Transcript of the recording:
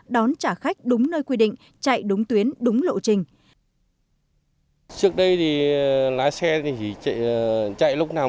đón trả khách đúng nơi quy định chạy đúng tuyến đúng lộ trình